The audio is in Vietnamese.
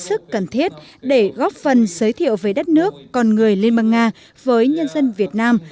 sức cần thiết để góp phần giới thiệu về đất nước con người liên bang nga với nhân dân việt nam